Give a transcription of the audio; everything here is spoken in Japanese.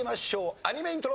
アニメイントロ。